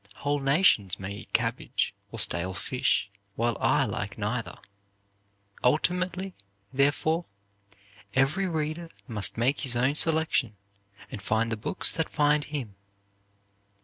Whole nations may eat cabbage, or stale fish, while I like neither. Ultimately, therefore, every reader must make his own selection, and find the book that finds him.